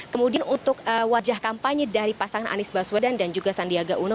kemudian untuk wajah kampanye dari pasangan anies baswedan dan juga sandiaga uno